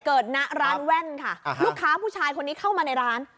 ณร้านแว่นค่ะลูกค้าผู้ชายคนนี้เข้ามาในร้าน